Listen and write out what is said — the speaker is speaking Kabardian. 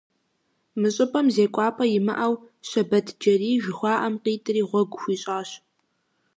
Мы щӀыпӀэм зекӀуапӀэ имыӀэу Щэбэтджэрий жыхуаӀэм къитӀри, гъуэгу хуищӀащ.